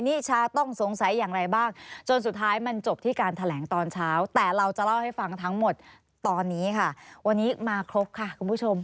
นิชาต้องสงสัยอย่างไรบ้างจนสุดท้ายมันจบที่การแถลงตอนเช้าแต่เราจะเล่าให้ฟังทั้งหมดตอนนี้ค่ะวันนี้มาครบค่ะคุณผู้ชม